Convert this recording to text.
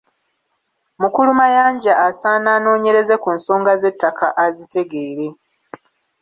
Mukulu Mayanja asaana anoonyereze ku nsonga z'ettaka azitegeere.